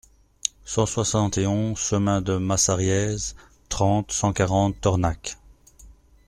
cent soixante et onze chemin de Massariès, trente, cent quarante, Tornac